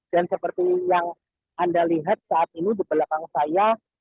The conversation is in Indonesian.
dan seperti yang anda lihat saat ini di belakang saya